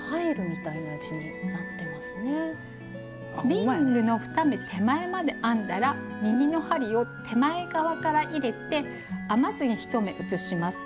リングの２目手前まで編んだら右の針を手前側から入れて編まずに１目移します。